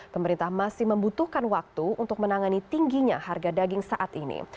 pemerintah masih membutuhkan waktu untuk menangani tingginya harga daging saat ini